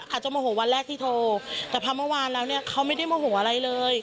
โมโหวันแรกที่โทรแต่พอเมื่อวานแล้วเนี่ยเขาไม่ได้โมโหอะไรเลย